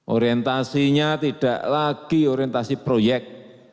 orientasinya tidak lagi orientasi proyek